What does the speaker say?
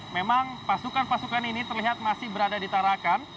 memang pasukan pasukan ini terlihat masih berada di tarakan